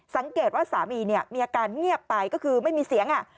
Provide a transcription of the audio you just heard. สังเกตว่าสามีเนี่ยมีอาการเงียบไปก็คือไม่มีเสียง